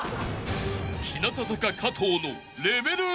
［日向坂加藤の］